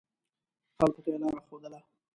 خلکو ته یې لاره ښودله.